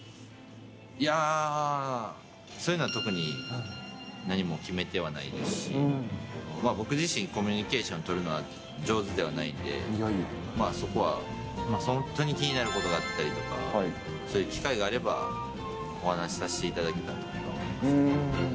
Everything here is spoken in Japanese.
いやぁ、そういうのは特に何も決めてはないですし、僕自身、コミュニケーション取るのは、上手ではないんで、まあそこは、本当に気になることがあったりとか、そういう機会があれば、お話しさせていただけたらなとは思いますけど。